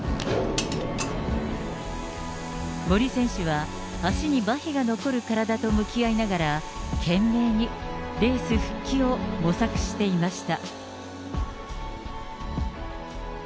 森選手は、足にまひが残る体と向き合いながら、懸命にレース復帰を模索していました。